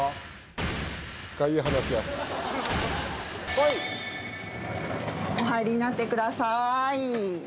お入りになってください。